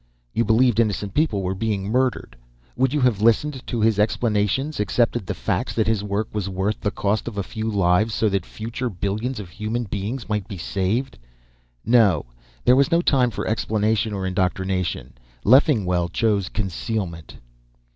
You believed innocent people were being murdered. Would you have listened to his explanations, accepted the fact that his work was worth the cost of a few lives so that future billions of human beings might be saved? No, there was no time for explanation or indoctrination. Leffingwell chose concealment."